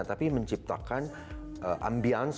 tapi menciptakan ambience